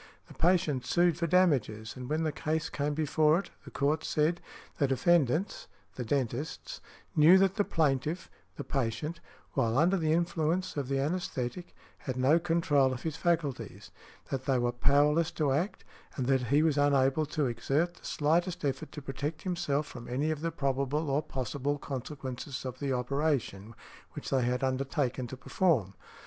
The patient sued for damages, and when the case came before it, the Court said, "The defendants (the dentists) knew that the plaintiff (the patient) while under the influence of the anæsthetic, had no control of his faculties, that they were powerless to act, and that he was unable to exert the slightest effort to protect himself from any of the probable or possible consequences of the operation which they had undertaken to perform.